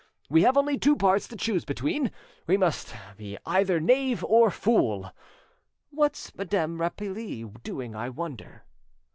We have only two parts to choose between: we must be either knave or fool. What's Madame Rapally doing, I wonder?"